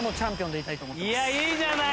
いやいいじゃない！